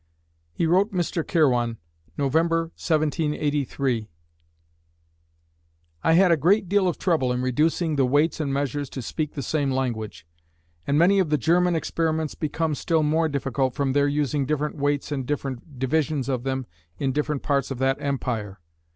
He wrote Mr. Kirwan, November, 1783: I had a great deal of trouble in reducing the weights and measures to speak the same language; and many of the German experiments become still more difficult from their using different weights and different divisions of them in different parts of that empire.